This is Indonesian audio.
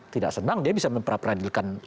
tidak senang dia bisa memperadilkan